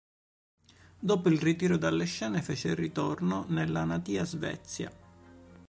Dopo il ritiro dalle scene fece ritorno nella natia Svezia.